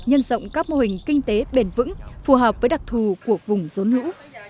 nhân rộng các mô hình kinh tế bền vững phù hợp với đặc thù của vùng rốn lũ